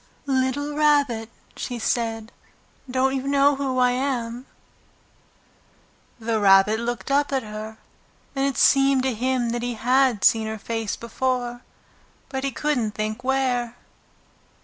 "Little Rabbit," she said, "don't you know who I am?" The Rabbit looked up at her, and it seemed to him that he had seen her face before, but he couldn't think where.